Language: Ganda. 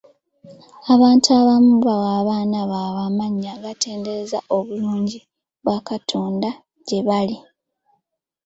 Abantu abamu bawa abaana baabwe amannya agatendereza obulungi bwa Katonda gye bali.